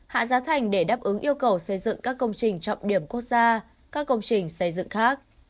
hạ giá thành để đáp ứng yêu cầu xây dựng các công trình trọng điểm quốc gia các công trình xây dựng khác